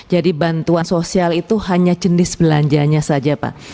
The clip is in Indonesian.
jadi bantuan sosial itu hanya jenis belanjanya saja pak